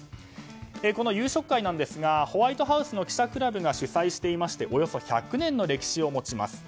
夕食会ですがホワイトハウスの記者クラブが主催していましておよそ１００年の歴史を持ちます。